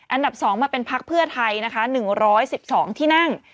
อันดับ๒มาเป็นพักเพื่อไทยนะคะ๑๑๒ที่นั่ง